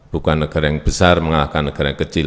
bukan negara yang besar mengalahkan negara yang kecil